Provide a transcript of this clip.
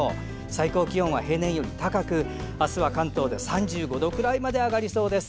最高気温は平年より高く関東は３５度くらいまであがりそうです。